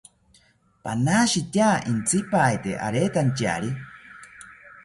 Panashitya intzipaete aretantyari